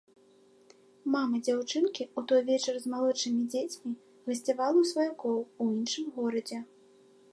Мамы дзяўчынкі ў той вечар з малодшымі дзецьмі гасцявала ў сваякоў у іншым горадзе.